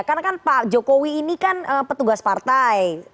karena kan pak jokowi ini kan petugas partai